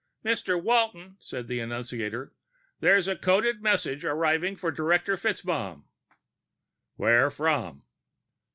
"Mr. Walton," said the annunciator. "There's a coded message arriving for Director FitzMaugham." "Where from?"